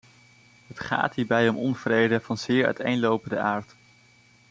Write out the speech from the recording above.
Het gaat hierbij om onvrede van zeer uiteenlopende aard.